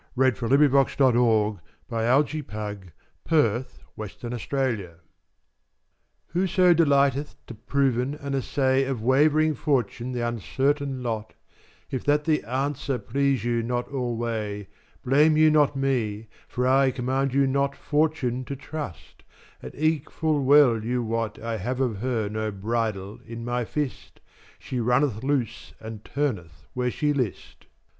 British Library. Thomas More to them who seek Fortune. Whoso delighteth to proven and assay Of wavering Fortune the uncertain lot, If that the answer please you not alway Blame you not me, for I command you not Fortune to trust; and eke1 full well you wot2 I have of her no bridle in my fist, She runneth loose and turneth where she list.